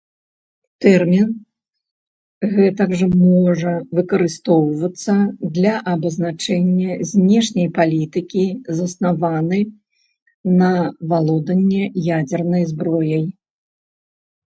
Тэрмін гэтак жа можа выкарыстоўвацца для абазначэння знешняй палітыкі заснаваны на валоданні ядзернай зброяй.